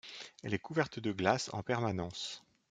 Elle est couverte de glace en permanence.